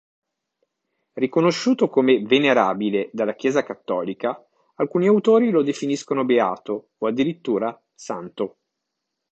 Riconosciuto come venerabile dalla Chiesa cattolica, alcuni autori lo definiscono beato o addirittura santo.